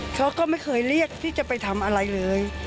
เขาก็ไม่เคยเรียกที่จะไปทำอะไรเลย